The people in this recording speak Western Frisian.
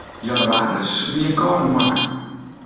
Jannewaris wie in kâlde moanne.